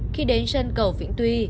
khi đến chân cầu vĩnh tuy